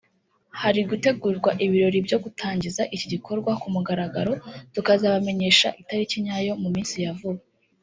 hari gutegurwa ibirori byo gutangiza iki gikorwa ku mugaragaro tukazabamenyesha itariki nyayo mu minsi ya vuba